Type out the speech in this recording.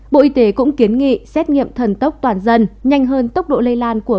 bộ y tế cũng kiến nghị xét nghiệm thần tốc toàn dân nhanh hơn tốc độ lây lan của